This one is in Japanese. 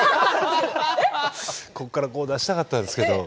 こっからこう出したかったんですけど。